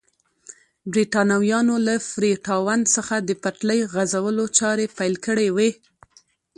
برېټانویانو له فري ټاون څخه د پټلۍ غځولو چارې پیل کړې وې.